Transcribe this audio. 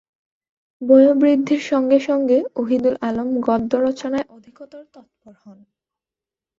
বয়োবৃদ্ধির সঙ্গে সঙ্গে ওহীদুল আলম গদ্যরচনায় অধিকতর তৎপর হন।